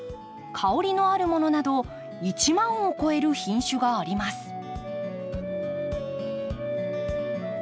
香りのあるものなど１万を超える品種があります。